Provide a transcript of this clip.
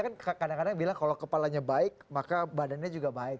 kan kadang kadang bilang kalau kepalanya baik maka badannya juga baik